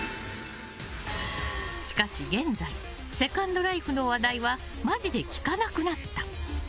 しかし、現在セカンドライフの話題はマジで聞かなくなった。